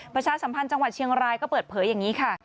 ประชาสัมพันธ์จังหวัดเชียงรายก็เปิดเผยอย่างนี้ค่ะ